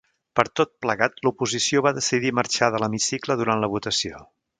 Per tot plegat l'oposició va decidir marxar de l'hemicicle durant la votació.